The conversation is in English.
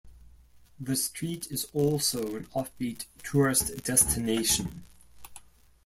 The street is also an off-beat tourist destination.